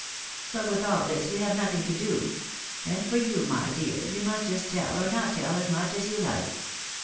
But with all this we have nothing to do ; and for you, my dear, you may just tell or not tell, as much as you like.